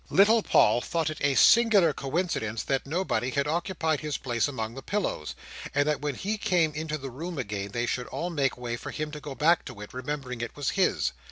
Little Paul thought it a singular coincidence that nobody had occupied his place among the pillows; and that when he came into the room again, they should all make way for him to go back to it, remembering it was his.